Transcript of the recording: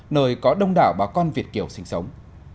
nơi có đông đảo bà con việt kiều sinh sống